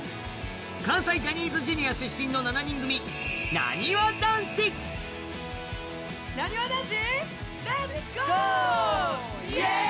関西ジャニーズＪｒ．出身の７人組、なにわ男子。